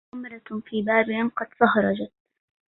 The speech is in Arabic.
خمرة في بابل قد صهرجت